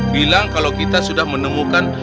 bilang kalau kita sudah menemukan